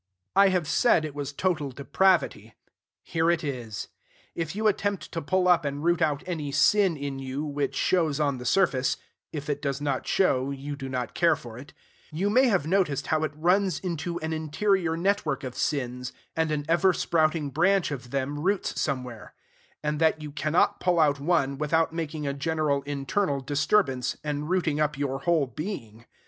I have said it was total depravity. Here it is. If you attempt to pull up and root out any sin in you, which shows on the surface, if it does not show, you do not care for it, you may have noticed how it runs into an interior network of sins, and an ever sprouting branch of them roots somewhere; and that you cannot pull out one without making a general internal disturbance, and rooting up your whole being.